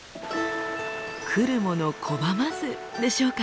くるもの拒まずでしょうか。